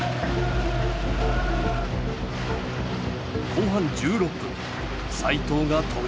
後半１６分齋藤が投入。